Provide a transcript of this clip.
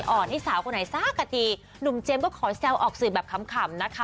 อ่อนให้สาวคนไหนสักกะทีหนุ่มเจมส์ก็ขอแซวออกสื่อแบบขำนะคะ